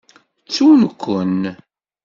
Ttun-ken.